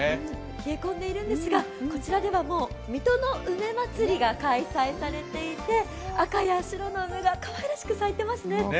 冷え込んでいるんですがこちらでは水戸の梅まつりが開催されていて赤や白の梅がかわいらしく咲いていますね。